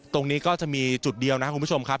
ตรงนี้ก็จะมีจุดเดียวนะครับคุณผู้ชมครับ